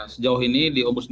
sejauh ini di ombudsman